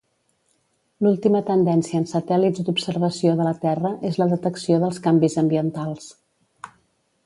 L'última tendència en satèl·lits d'observació de la Terra, és la detecció dels canvis ambientals.